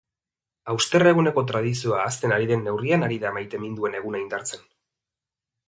Hauster eguneko tradizioa ahazten ari den neurrian ari da maiteminduen eguna indartzen.